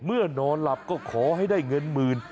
เมื่อนอนหลับก็ขอได้เงินหมื่น